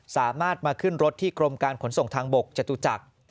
สามารถมาขึ้นรถที่กรมการขนส่งทางบกจตุจักร